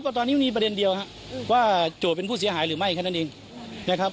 ตอนนี้มีประเด็นเดียวครับว่าโจทย์เป็นผู้เสียหายหรือไม่แค่นั้นเองนะครับ